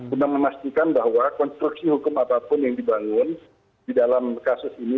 untuk memastikan bahwa konstruksi hukum apapun yang dibangun di dalam kasus ini